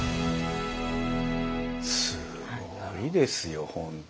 すごいですよ本当。